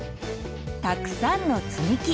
たくさんのつみき。